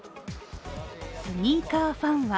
スニーカーファンは